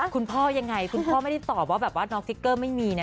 คุณพ่อยังไงคุณพ่อไม่ได้ตอบว่าแบบว่าน้องสติ๊กเกอร์ไม่มีนะ